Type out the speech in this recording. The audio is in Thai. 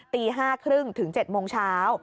ตรี๕ครึ่งถึง๗โมงเช้า